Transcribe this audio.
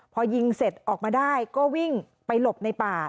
พอยิงเสร็จออกมาได้ก็วิ่งไปหลบในป่า